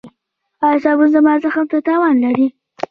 ایا صابون زما زخم ته تاوان لري؟